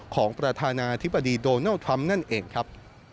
ของประธานาธิบดีโดนัลด์ทรัมป์นั่นเองครับ